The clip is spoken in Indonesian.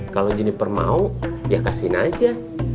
kalau juniper mau ya kasihin aja